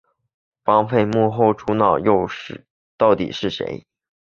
绑匪幕后主脑又到底是谁？